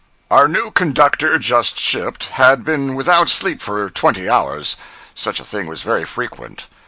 Our new conductor (just shipped) had been without sleep for twenty hours. Such a thing was very frequent.